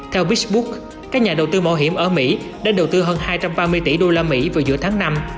theo big book các nhà đầu tư mô hiểm ở mỹ đã đầu tư hơn hai trăm ba mươi tỷ usd vào giữa tháng năm